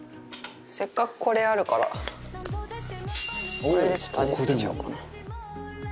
せっかくこれあるからこれでちょっと味付けちゃおうかな。